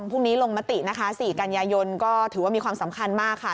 พรุ่งนี้ลงมตินะคะ๔กันยายนก็ถือว่ามีความสำคัญมากค่ะ